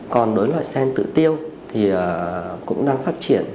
còn đối với loại stent tự tiêu thì cũng đang phát triển